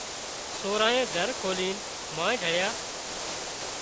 سورانئين در کولينَ مانئين ڍۯيا